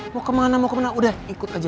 mau ke mana mau ke mana udah ikut aja